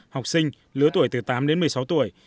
học sinh lứa tuổi từ tám đến một mươi sáu tuổi